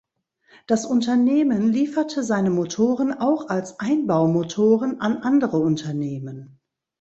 Das Unternehmen lieferte seine Motoren auch als Einbaumotoren an andere Unternehmen.